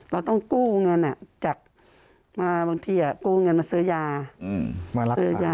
เราต้องกู้เงินอ่ะจากมาบางทีอ่ะกู้เงินมาซื้อยา